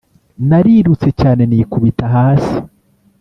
Narirutse cyane nikubita hasi